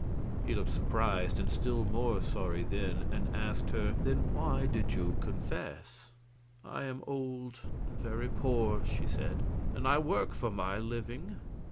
He looked surprised and still more sorry then, and asked her: "Then why did you confess?" "I am old and very poor," she said, "and I work for my living.